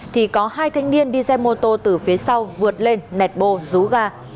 thì có hai thanh niên đi xe mô tô từ phía sau vượt lên nẹt bô rú ga